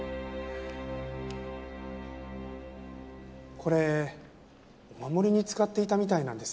これお守りに使っていたみたいなんです。